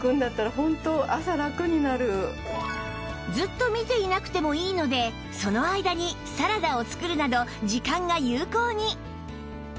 ずっと見ていなくてもいいのでその間にサラダを作るなど時間が有効に